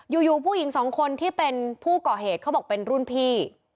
อยู่ผู้หญิงสองคนที่เป็นผู้ก่อเหตุเขาบอกเป็นรุ่นพี่